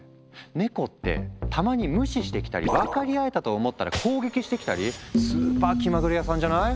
ネコってたまに無視してきたり分かり合えたと思ったら攻撃してきたりスーパー気まぐれ屋さんじゃない？